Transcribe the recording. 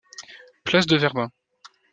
Place de Verdun.